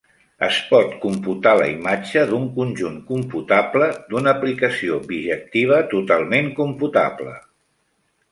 Es pot computar la imatge d'un conjunt computable d'una aplicació bijectiva totalment computable.